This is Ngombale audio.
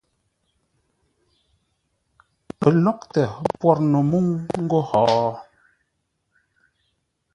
Pəlóghʼtə pwor no mə́u ńgó hó?